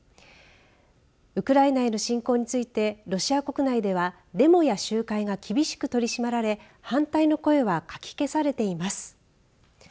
ウクライナへの侵攻についてロシア国内ではデモや集会が厳しく取り締まられ反対の声はかき消されています。